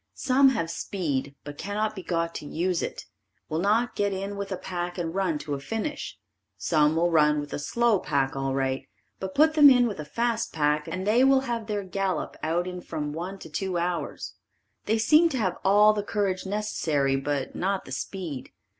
Some have speed but cannot be got to use it, will not get in with a pack and run to a finish. Some will run with a slow pack all right but put them in with a fast pack and they will have their gallop out in from one to two hours. They seem to have all the courage necessary but not the speed.